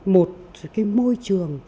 một môi trường